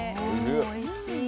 おいしい。